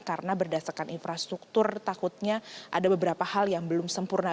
karena berdasarkan infrastruktur takutnya ada beberapa hal yang belum sempurna